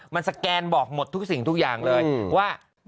มันสแกนบอกหมดทุกสิ่งทุกอย่างเลยว่า